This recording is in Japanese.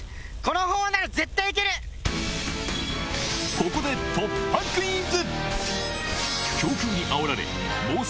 ここで突破クイズ！